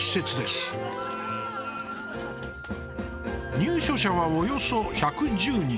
入所者は、およそ１１０人。